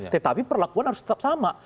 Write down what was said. tetapi perlakuan harus tetap sama